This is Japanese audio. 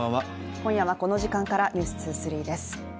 今夜はこの時間から「ｎｅｗｓ２３」です。